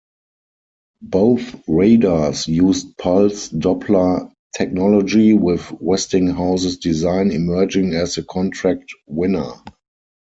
Both radars used pulse-Doppler technology, with Westinghouse's design emerging as the contract winner.